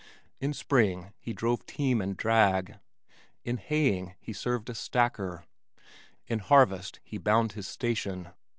In spring he drove team and drag. In haying he served as stacker. In harvest he bound his station.